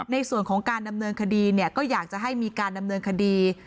ในส่วนของการดำเนินคดีเนี่ยก็อยากจะให้มีการดำเนินคดี